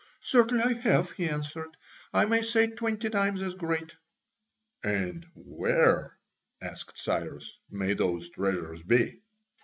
"Certainly, I have," he answered, "I may say twenty times as great." "And where," asked Cyrus, "may those treasures be?"